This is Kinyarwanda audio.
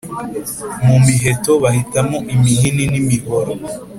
mu miheto bahitamo imihini n’imihoro